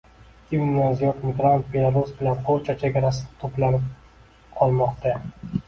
Ikki mingdan ziyod migrant Belarus bilan Polsha chegarasida to‘planib qolmoqdang